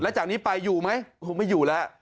จากนี้ไปอยู่ไหมคงไม่อยู่แล้ว